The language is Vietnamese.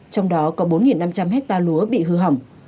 trong đó có bốn năm trăm linh hectare lúa bị hư hỏng